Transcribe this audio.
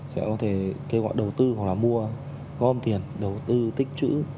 sẽ có thể kêu gọi đầu tư hoặc là mua gom tiền đầu tư tích trữ